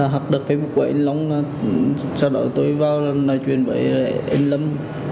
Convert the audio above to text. học được facebook của anh long sau đó tôi vào nói chuyện với anh lâm